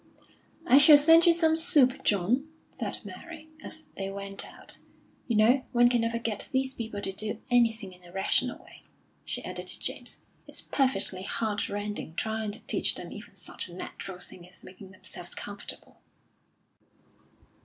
"I shall send you some soup, John," said Mary, as they went out, "You know, one can never get these people to do anything in a rational way," she added to James. "It's perfectly heartrending trying to teach them even such a natural thing as making themselves comfortable."